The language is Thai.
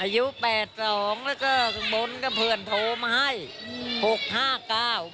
อายุ๘๒แล้วก็บนก็เพื่อนโทมาให้